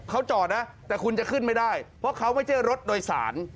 เขาจอดนะแต่คุณจะขึ้นไม่ได้เพราะเขาไม่ใช่รถโดยสาร